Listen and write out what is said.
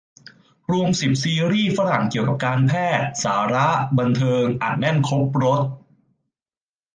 รวม สิบ ซีรีส์ฝรั่งเกี่ยวกับการแพทย์ สาระ บันเทิง อัดแน่นครบรส